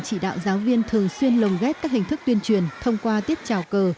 chỉ đạo giáo viên thường xuyên lồng ghép các hình thức tuyên truyền thông qua tiết trào cờ